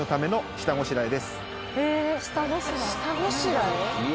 え下ごしらえ？